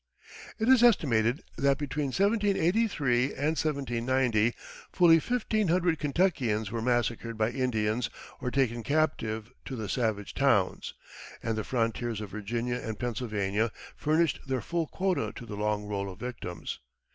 It is estimated that, between 1783 and 1790, fully fifteen hundred Kentuckians were massacred by Indians or taken captive to the savage towns; and the frontiers of Virginia and Pennsylvania furnished their full quota to the long roll of victims.